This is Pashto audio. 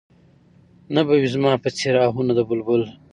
نه به وي زما په څېر اهونه د بلبل